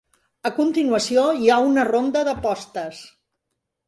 A continuació, hi ha una ronda d'apostes.